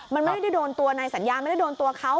มันไม่ได้โดนตัวในสัญญาไม่ได้โดนตัวเขา